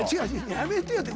やめてよ！って。